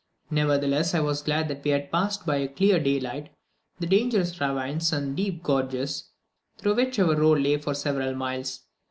Nevertheless, I was glad that we had passed by clear daylight the dangerous ravines and deep gorges through which our road lay for several miles.